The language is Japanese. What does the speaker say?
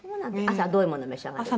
朝どういうものを召し上がる？